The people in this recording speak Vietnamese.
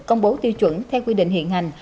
công bố tiêu chuẩn theo quy định hiện hành